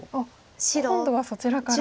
今度はそちらから。